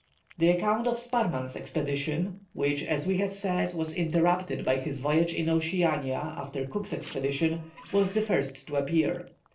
The account of Sparrman's expedition, which, as we have said, was interrupted by his voyage in Oceania, after Cook's expedition, was the first to appear.